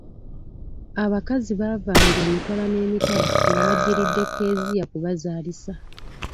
Abakazi baavanga emitala n'emitala nga bajjiridde Kezia kubazaalisa.